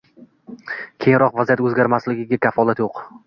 keyinroq vaziyat o‘zgarmasligiga kafolat yo‘q.